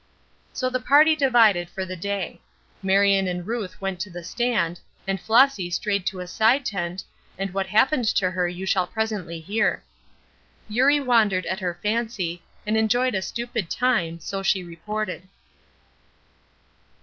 So the party divided for the day. Marion and Ruth went to the stand, and Flossy strayed to a side tent, and what happened to her you shall presently hear. Eurie wandered at her fancy, and enjoyed a "stupid time," so she reported.